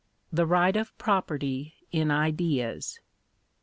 THE RIGHT OF PROPERTY IN IDEAS.